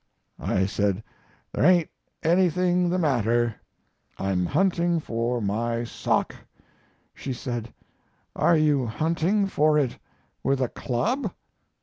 I said, "There ain't anything the matter. I'm hunting for my sock." She said, "Are you hunting for it with a club?"